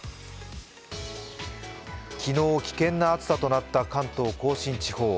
昨日、危険な暑さとなった関東甲信地方。